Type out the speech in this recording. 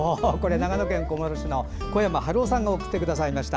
長野県小諸市の小山晴夫さんが送ってくださいました。